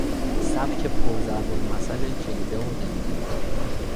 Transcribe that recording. سبک پر ضرب المثل کلیله و دمنه